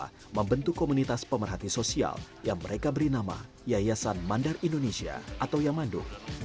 mereka membentuk komunitas pemerhati sosial yang mereka beri nama yayasan mandar indonesia atau yamando